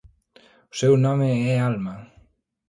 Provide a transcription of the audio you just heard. O seu nome é Alma.